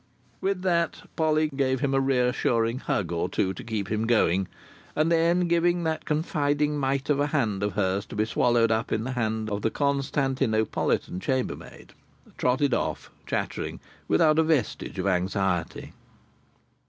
With that, Polly gave him a reassuring hug or two to keep him going, and then giving that confiding mite of a hand of hers to be swallowed up in the hand of the Constantinopolitan chambermaid, trotted off, chattering, without a vestige of anxiety.